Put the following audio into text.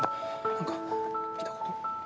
なんか見たこと。